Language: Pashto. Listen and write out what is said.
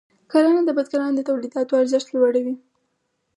کرنه د بزګرانو د تولیداتو ارزښت لوړوي.